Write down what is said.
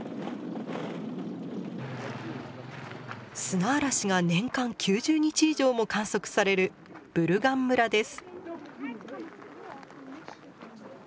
砂嵐が年間９０日以上も観測されるブルガン村です。